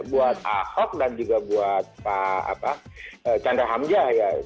buat ahok dan juga buat chandra amja